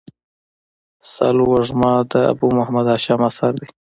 سالو وږمه د ابو محمد هاشم اثر دﺉ.